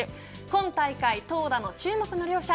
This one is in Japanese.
今大会、投打の注目の両者。